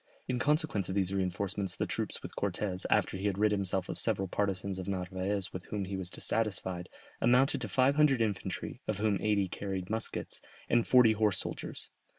In consequence of these reinforcements the troops with Cortès, after he had rid himself of several partisans of Narvaez with whom he was dissatisfied, amounted to five hundred infantry, of whom eighty carried muskets, and forty horse soldiers.